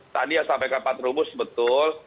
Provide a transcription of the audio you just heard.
tadi ya sampai ke empat rumus betul